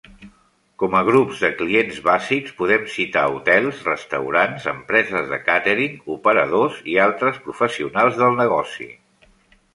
Com a grups de clients bàsics podem citar hotels, restaurants, empreses de càtering, operadors i altres professionals del negoci.